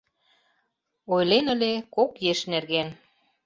Ойлен ыле кок еш нерген.